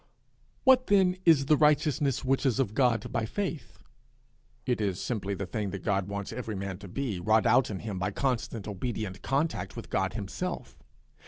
What, then, is the righteousness which is of God by faith? It is simply the thing that God wants every man to be, wrought out in him by constant obedient contact with God himself.